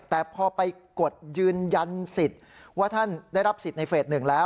แต่พอไปกดยืนยันสิทธิ์ว่าท่านได้รับสิทธิ์ในเฟส๑แล้ว